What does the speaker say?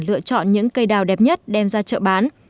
lựa chọn những cây đào đẹp nhất đem ra chợ bán